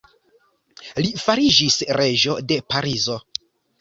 Li fariĝis reĝo de Parizo.